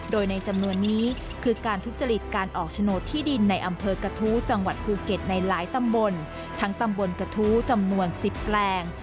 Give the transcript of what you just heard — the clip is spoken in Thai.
โดยในจำนวนนี้คือการทุจริตการออกโฉนดที่ดินในอำเภอกระทู้จังหวัดภูเก็ตในหลายตำบลทั้งตำบลกระทู้จำนวน๑๐แปลง